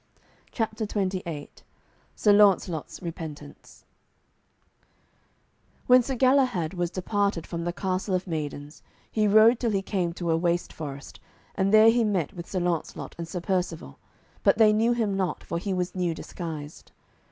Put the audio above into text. CHAPTER XXVIII SIR LAUNCELOT'S REPENTANCE When Sir Galahad was departed from the Castle of Maidens, he rode till he came to a waste forest, and there he met with Sir Launcelot and Sir Percivale, but they knew him not, for he was new disguised.